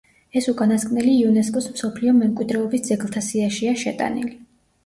ეს უკანასკნელი იუნესკოს მსოფლიო მემკვიდრეობის ძეგლთა სიაშია შეტანილი.